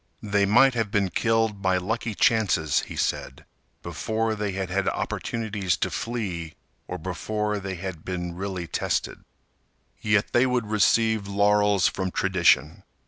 They might have been killed by lucky chances, he said, before they had had opportunities to flee or before they had been really tested. Yet they would receive laurels from tradition.